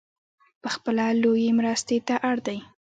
پخپله لویې مرستې ته اړ دی .